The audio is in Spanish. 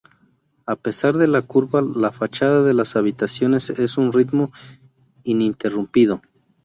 A pesar de la curva la fachada de las habitaciones es un ritmo ininterrumpido.